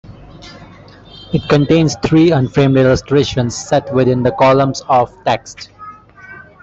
It contains three unframed illustrations set within the columns of text.